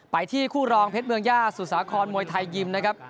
ไปที่คู่รองเพชรเมืองย่าสุสาครมวยไทยยิมนะครับ